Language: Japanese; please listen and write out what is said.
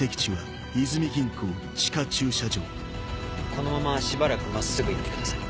このまましばらく真っすぐ行ってください。